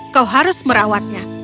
kau harus merawatnya